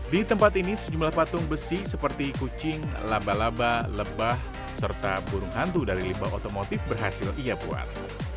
di tempat ini sejumlah patung besi seperti kucing laba laba lebah serta burung hantu dari limbah otomotif berhasil ia buat